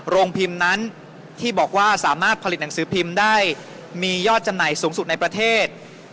โรงพิมพ์นั้นที่บอกว่าสามารถผลิตหนังสือพิมพ์ได้มียอดจำหน่ายสูงสุดในประเทศ